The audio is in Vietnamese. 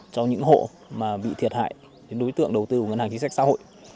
cho những hộ mà bị thiệt hại đến đối tượng đầu tư của ngân hàng chính sách xã hội